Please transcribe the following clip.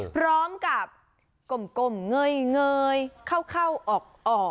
พร้อมกับกลมเงยเข้าออก